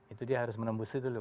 itu dia harus menembus itu loh